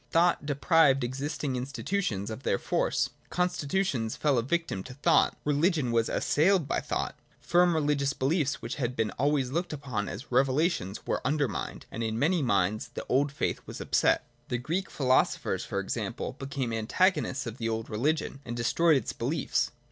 Thought deprived existing institutions of their force. Constitutions fell a victim to thought : religion was assailed by thought : firm religious beliefs which had been always looked upon as revelations were undermined, and in many minds the old faith was upset. The Greek philo sophers, for example, became antagonists of the old religion, and destroyed its beliefs.